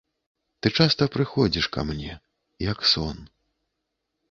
Ты часта прыходзіш ка мне, як сон.